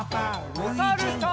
おさるさん。